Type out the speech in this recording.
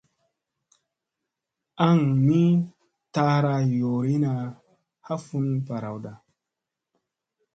Aŋ ni taara yoorina ha fun barawda.